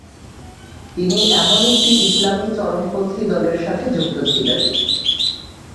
তিনি এমন একটি ইসলামি চরমপন্থী দলের সাথে যুক্ত ছিলেন।